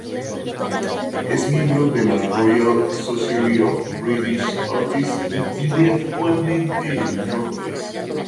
Es miembro de la Royal Society of British Artists y vive actualmente en Londres.